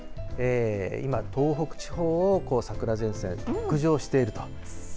今、東北地方を桜前線北上しているということで。